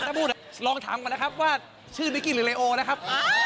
ถ้าพูดลองถามก่อนนะครับว่าชื่อนิกกี้หรือเรโอนะครับ